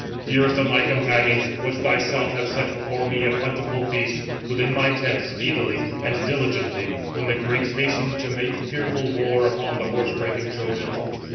dearest of my companions, wouldst thyself have set before me a plentiful feast, within my tent, speedily and diligently, when the Greeks hastened to make tearful war upon the horse breaking Trojans.